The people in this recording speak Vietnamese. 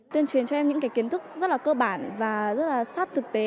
tuyên truyền cho em những kiến thức rất là cơ bản và rất là sát thực tế